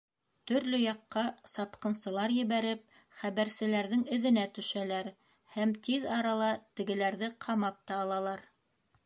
Төрлө яҡҡа сапҡынсылар ебәреп хәбәрселәрҙең эҙенә төшәләр, һәм тиҙ арала тегеләрҙе ҡамап та алалар.